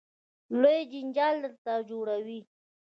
لوی جنجال درته جوړوي.